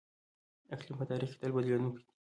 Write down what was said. اقلیم په تاریخ کې تل بدلیدونکی دی.